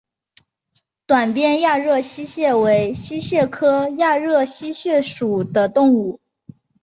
短鞭亚热溪蟹为溪蟹科亚热溪蟹属的动物。